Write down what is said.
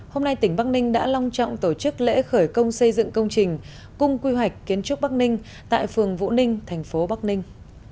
hôm nay tỉnh bắc ninh đã long trọng tổ chức lễ khởi công xây dựng công trình cung quy hoạch kiến trúc bắc ninh tại phường vũ ninh thành phố bắc ninh